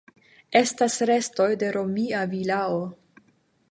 Estas restoj de romia vilao.